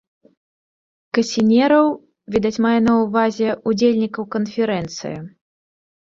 Касінераў, відаць мае на ўвазе, удзельнікаў канферэнцыі.